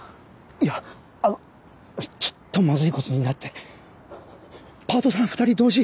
いやあのちょっとまずいことになってパートさん２人同時